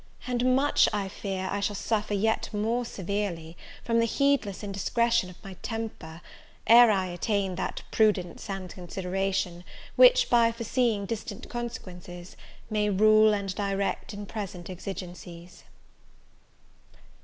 and much, I fear, I shall suffer yet more severely, from the heedless indiscretion of my temper, ere I attain that prudence and consideration, which, by foreseeing distant consequences, may rule and direct in present exigencies.